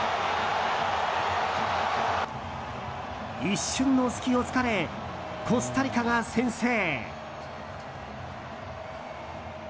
一瞬の隙を突かれコスタリカが先制。